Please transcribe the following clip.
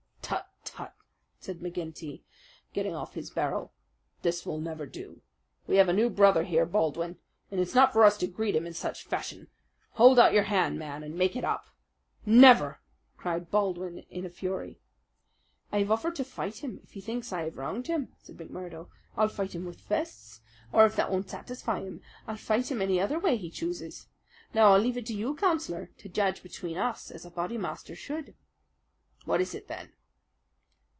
"Tut! Tut!" said McGinty, getting off his barrel. "This will never do. We have a new brother here, Baldwin, and it's not for us to greet him in such fashion. Hold out your hand, man, and make it up!" "Never!" cried Baldwin in a fury. "I've offered to fight him if he thinks I have wronged him," said McMurdo. "I'll fight him with fists, or, if that won't satisfy him, I'll fight him any other way he chooses. Now, I'll leave it to you, Councillor, to judge between us as a Bodymaster should." "What is it, then?"